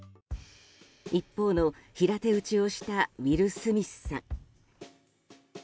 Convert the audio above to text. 一方の平手打ちをしたウィル・スミスさん。